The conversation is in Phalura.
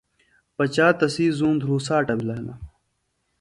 پچا تسی زُوم دھرُوساٹہ بِھلہ ہنہ